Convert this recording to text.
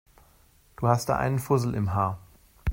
Du hast da einen Fussel im Haar.